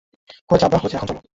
হয়েছে আব্বা, হয়েছে, এখন চলো।